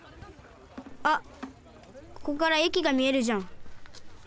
あっここからえきがみえるじゃん。